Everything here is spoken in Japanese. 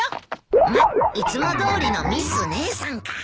まっいつもどおりのミス・姉さんか。